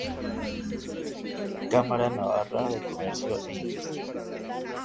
Cámara Navarra de Comercio e Industria